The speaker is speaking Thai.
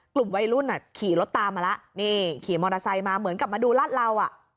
กลุ่มวัยรุ่นอ่ะขี่รถตามมาแล้วนี่ขี่มอเตอร์ไซค์มาเหมือนกลับมาดูลาดเหลา